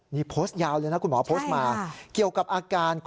นี่โพสต์ยาวเลยนะคุณหมอโพสต์มาเกี่ยวกับอาการ